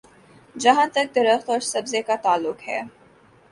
جہاں تک درخت اور سبزے کا تعلق ہے۔